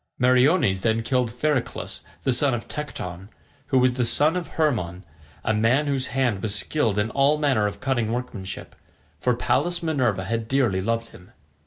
Meriones then killed Phereclus the son of Tecton, who was the son of Hermon, a man whose hand was skilled in all manner of cunning workmanship, for Pallas Minerva had dearly loved him.